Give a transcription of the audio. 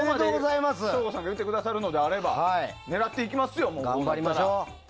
省吾さんが言ってくださるのであれば狙っていきますよ。